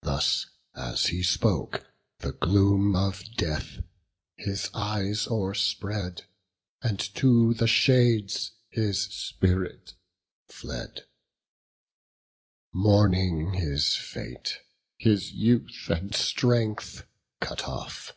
Thus as he spoke, the gloom of death his eyes O'erspread, and to the shades his spirit fled, Mourning his fate, his youth and strength cut off.